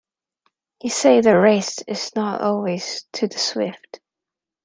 You say the race is not always to the swift.